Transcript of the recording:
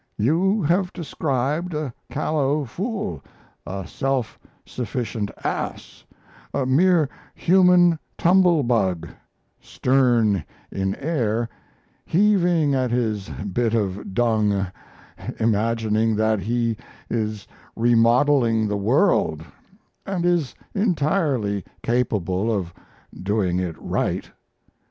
You have described a callow fool, a self sufficient ass, a mere human tumble bug, stern in air, heaving at his bit of dung, imagining that he is remodeling the world and is entirely capable of doing it right....